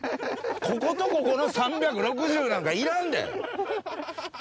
こことここの３６０度なんかいらんで。